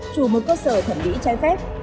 chủ một cơ sở thẩm mỹ trái phép